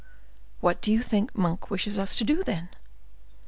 "What do you think Monk wishes to do, then?"